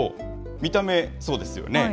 見た目、そうですよね。